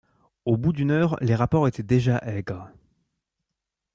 Au bout d’une heure, les rapports étaient déjà aigres.